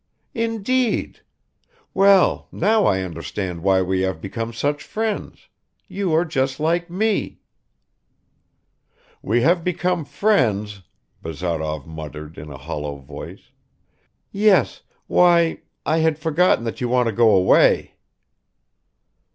"Indeed? Well, now I understand why we have become such friends, you are just like me " "We have become friends ...," Bazarov muttered in a hollow voice. "Yes. ... Why, I had forgotten that you want to go away."